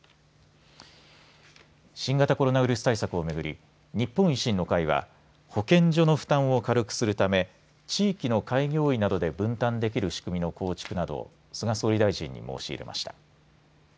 新型コロナウイルス対策を巡り日本維新の会は保健所の負担を軽くするため地域の開業医などで分担できる仕組みの構築などを菅総理大臣に申し入れました。